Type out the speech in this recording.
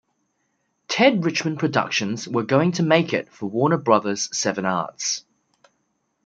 Ted Richmond Productions were going to make it for Warner Bros-Seven Arts.